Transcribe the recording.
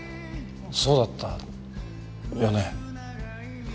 そうだったよね。